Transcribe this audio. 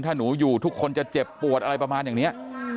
ถ้าหนูอยู่ทุกคนจะเจ็บปวดอะไรประมาณอย่างนี้